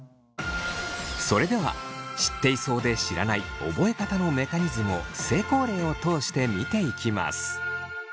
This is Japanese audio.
それでは知っていそうで知らない覚え方のメカニズムを成功例を通して見ていきます。